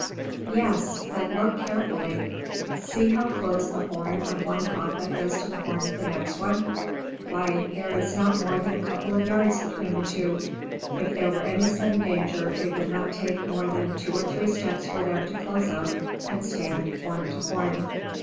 Yes, but look carefully! See how close the horn of one Papa is to the horn of the next one! Why, there is not more than a couple of yards between the two! If there were any sudden danger, it would not take more than two or three steps for them to close up, and stand horn to horn.